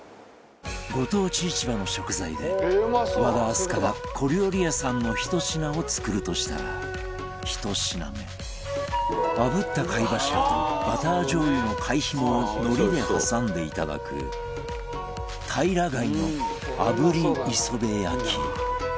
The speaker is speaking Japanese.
ご当地市場の食材で和田明日香が、小料理屋さんのひと品を作るとしたら１品目炙った貝柱とバターじょう油の貝ヒモを海苔で挟んで、いただく長嶋：たいら貝？